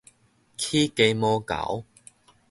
起雞毛猴